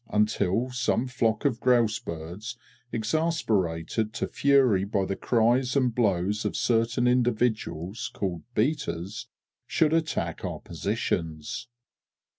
_, until some flock of grouse birds, exasperated to fury by the cries and blows of certain individuals called "beaters," should attack our positions.